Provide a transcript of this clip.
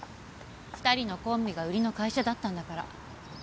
２人のコンビが売りの会社だったんだから。